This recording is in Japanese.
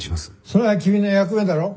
「それは君の役目だろう。